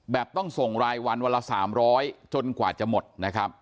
ต้องส่งรายวันวันละ๓๐๐จนกว่าจะหมดนะครับ